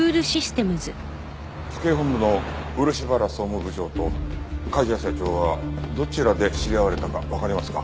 府警本部の漆原総務部長と梶谷社長はどちらで知り合われたかわかりますか？